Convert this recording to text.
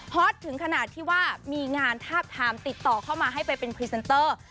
ตถึงขนาดที่ว่ามีงานทาบทามติดต่อเข้ามาให้ไปเป็นพรีเซนเตอร์